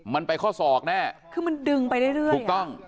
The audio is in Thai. มันไปข้อศอกแน่คือมันดึงไปเรื่อยถูกต้อง